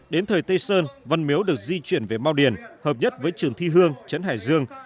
đến thời tây sơn văn miếu được di chuyển về mau điền hợp nhất với trường thi hương trấn hải dương